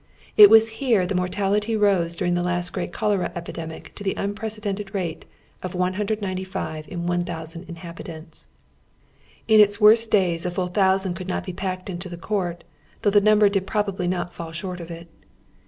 It was here the mortality rose during the last great cholera epidemic to the unpre cedented rate of 195 in 1,000 inhabitants. In its worst days a full tiiousand coufd not be packed into the court, though the nnmber did probably not fall far short of it.